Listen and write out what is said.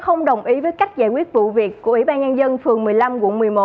không đồng ý với cách giải quyết vụ việc của ủy ban nhân dân phường một mươi năm quận một mươi một